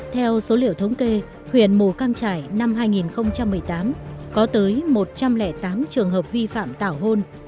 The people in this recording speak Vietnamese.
theo số liệu thống kê huyện mù căng trải năm hai nghìn một mươi tám có tới một trăm linh tám trường hợp vi phạm tảo hôn